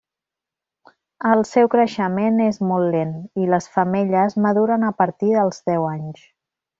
El seu creixement és molt lent, i les femelles maduren a partir dels deu anys.